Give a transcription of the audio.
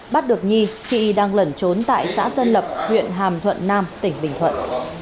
bắt được nhi khi đang lẩn trốn tại xã tân lập huyện hàm thuận nam tỉnh bình thuận